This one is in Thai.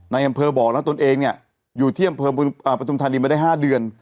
ในอำเภอบอกนะตนเองเนี่ยอยู่ที่อำเภอปฐุมธานีมาได้๕เดือน